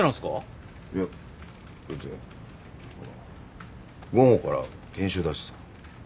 いやだってほら午後から研修だしさ。